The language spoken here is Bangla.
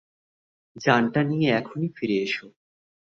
যানটা নিয়ে এখনই ফিরে এসো।